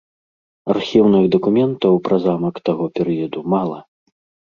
Архіўных дакументаў пра замак таго перыяду мала.